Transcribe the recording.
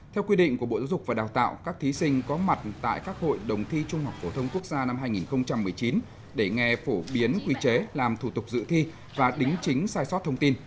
theo quy định của bộ giáo dục và đào tạo các thí sinh có mặt tại các hội đồng thi trung học phổ thông quốc gia năm hai nghìn một mươi chín để nghe phổ biến quy chế làm thủ tục dự thi và đính chính sai sót thông tin